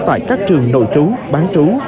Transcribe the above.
tại các trường nội trú bán trú